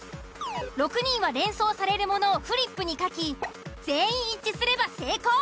６人は連想されるものをフリップに書き全員一致すれば成功。